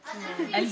はい。